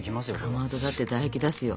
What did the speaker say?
かまどだって唾液出すよ。